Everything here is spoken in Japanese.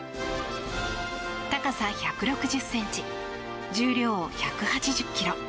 高さ１６０ｃｍ重量１８０ｋｇ。